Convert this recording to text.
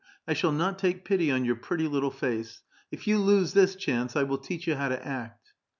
I shall not take pity ou your pretty little face. If you lose this chance, 1 will teach you how to act."